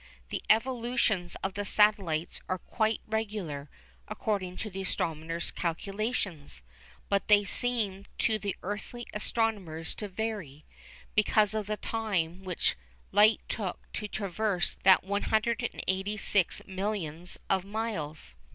The evolutions of the satellites are quite regular, according to the astronomers' calculations, but they seemed to the earthly astronomers to vary, because of the time which light took to traverse that 186 millions of miles.